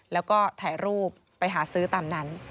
แล้วก็ถ่ายรูปไปหาซื้อตามนั้น